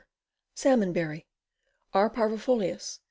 Salmon berry. R. parviflorus.